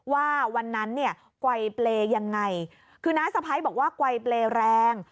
ว่าวันนั้นเนี่ยกว่ายเปลยังไงคือน้าสะพ้ายบอกว่ากว่ายเปลยแรง